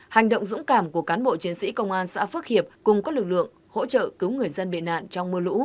hành động dũng cảm của cán bộ chiến sĩ công an xã phước hiệp cùng các lực lượng hỗ trợ cứu người dân bị nạn trong mưa lũ